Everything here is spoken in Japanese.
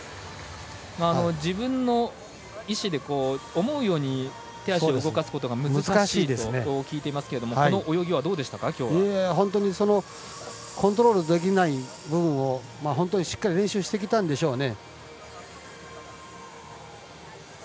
自分の意思で思うように手足を動かすことが難しいと聞いていますがこの泳ぎはどうでしたかきょうは。コントロールできない部分を本当にしっかり練習してきたんでしょうね。